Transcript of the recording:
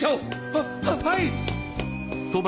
はっはい！